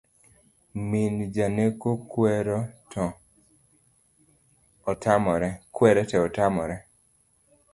Min janeko kuere to otamore